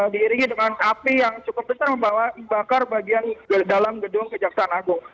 diiringi dengan api yang cukup besar membawa bakar bagian dalam gedung kejaksaan agung